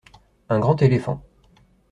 Un grand éléphant.